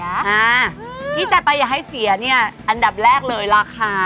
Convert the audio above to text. อ่าที่จะไปอย่าให้เสียเนี่ยอันดับแรกเลยราคา